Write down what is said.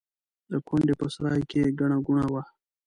د کونډې په سرای کې ګڼه ګوڼه وه.